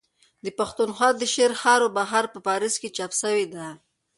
د پښتونخوا دشعرهاروبهار په پاريس کي چاپ سوې ده.